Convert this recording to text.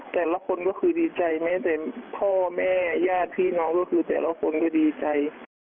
แต่ละคนก็คือดีใจแม้แต่พ่อแม่ญาติพี่น้องก็คือแต่ละคนก็ดีใจ